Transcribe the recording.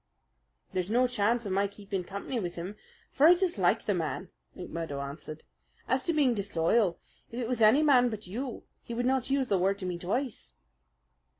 "There's no chance of my keeping company with him; for I dislike the man," McMurdo answered. "As to being disloyal, if it was any man but you he would not use the word to me twice."